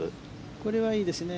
これはいいですね